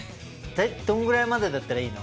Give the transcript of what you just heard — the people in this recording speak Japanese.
どんぐらいまでだったらいいの？